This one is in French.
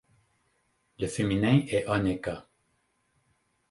Le féminin est Oneka.